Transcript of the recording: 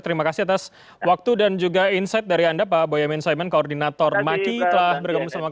terima kasih atas waktu dan juga insight dari anda pak boyamin saiman koordinator maki telah bergabung sama kami